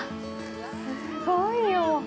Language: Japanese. すごいよ。